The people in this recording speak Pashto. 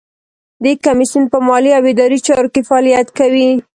د کمیسیون په مالي او اداري چارو کې فعالیت کوي.